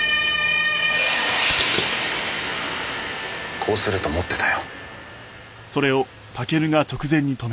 こうすると思ってたよ。